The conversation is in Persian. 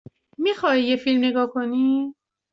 می خواهی یک فیلم نگاه کنی؟